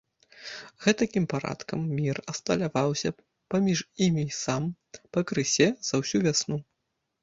Гэтакім парадкам мір асталяваўся паміж імі сам, пакрысе, за ўсю вясну.